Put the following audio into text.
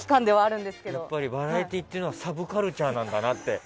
やっぱりバラエティーっていうのはサブカルチャーなんだなって。